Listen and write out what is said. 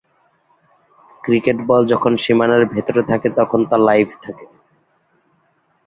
Cricket ball যখন সীমানার ভিতরে থাকে তখন তা লাইভ থাকে।